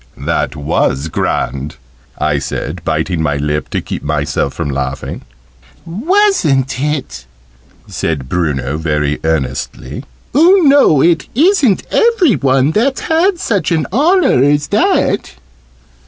"That was grand!" I said, biting my lip to keep myself from laughing. "Wasn't it?" said Bruno, very earnestly. "Oo know it isn't every one that's had such an honour as that!"